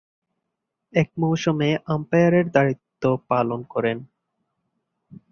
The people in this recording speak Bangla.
এক মৌসুমে আম্পায়ারের দায়িত্ব পালন করেন।